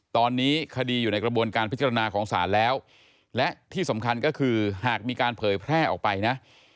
ตอนนี้คดีอยู่ในกระบวนการพิจารณาของศาลแล้วและที่สำคัญก็คือหากมีการเผยแพร่ออกไปนะ